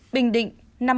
bình định năm mươi tám